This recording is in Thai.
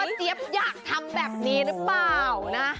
ว่าเจี๊ยบอย่างทำแบบนี้หรือเปล่า